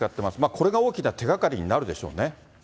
これが大きな手がかりになるでしょうね。